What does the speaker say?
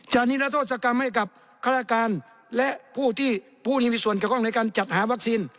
จะนิรัตโทษกรรมให้กับฆาตการและผู้ที่ผู้นิ่งมีส่วนกระโกงในการจัดหาวัคซีน